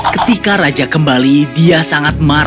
ketika raja kembali dia sangat marah